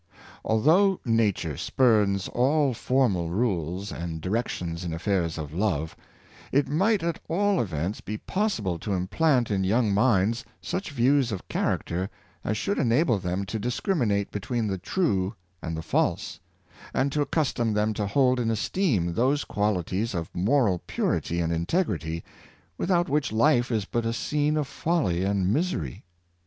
Although nature spurns all formal rules and direc tions in affairs of love, it might at all events be possi ble to implant in young minds such views of character as should enable them to discriminate between the true and the false, and to accustom them to hold in esteem those qualities of moral purity and integrity without which life is but a scene of folly and misery.